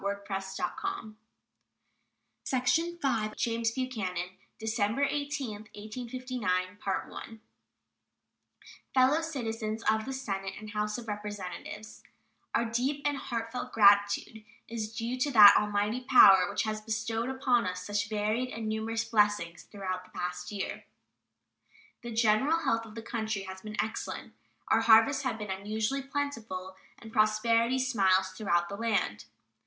State of the Union Address James Buchanan December 19, 1859 Fellow Citizens of the Senate and House of Representatives: Our deep and heartfelt gratitude is due to that Almighty Power which has bestowed upon us such varied and numerous blessings throughout the past year. The general health of the country has been excellent, our harvests have been unusually plentiful, and prosperity smiles throughout the land.